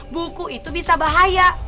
buku itu bisa bahaya